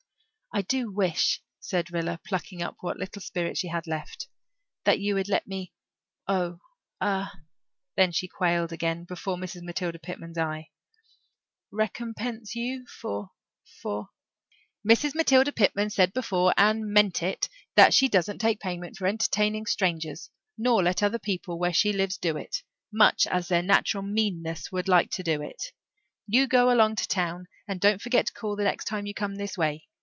"I do wish," said Rilla, plucking up what little spirit she had left, "that you would let me oh ah " then she quailed again before Mrs. Matilda Pitman's eye "recompense you for for " "Mrs. Matilda Pitman said before and meant it that she doesn't take pay for entertaining strangers, nor let other people where she lives do it, much as their natural meanness would like to do it. You go along to town and don't forget to call the next time you come this way.